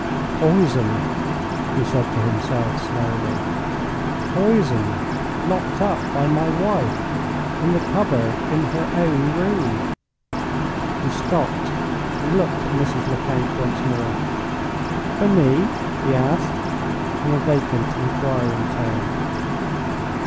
"Poison!" he said to himself, slowly. "Poison locked up by my wife in the cupboard in her own room." He stopped, and looked at Mrs. Lecount once more. "For me?" he asked, in a vacant, inquiring tone.